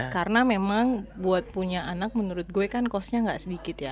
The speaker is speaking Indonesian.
karena memang buat punya anak menurut gue kan costnya gak sedikit ya